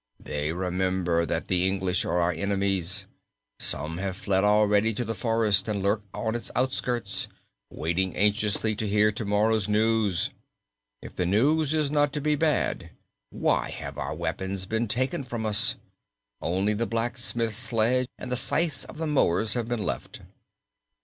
"They remember that the English are our enemies. Some have fled already to the forest, and lurk on its outskirts waiting anxiously to hear to morrow's news. If the news is not to be bad why have our weapons been taken from us? Only the blacksmith's sledge and the scythes of the mowers have been left."